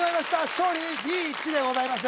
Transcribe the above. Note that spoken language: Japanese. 勝利にリーチでございます